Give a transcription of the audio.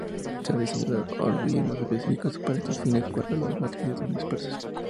Se han diseñado algoritmos específicos para estos fines cuando las matrices son dispersas.